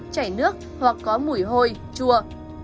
chảy nước hoặc có mùi hôi chua